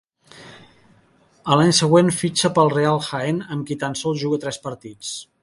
A l'any següent fitxa pel Real Jaén, amb qui tan sols juga tres partits.